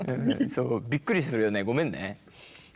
そうびっくりするよねごめんね。